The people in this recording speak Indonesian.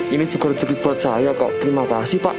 ini jeger jegur buat saya kok terima kasih pak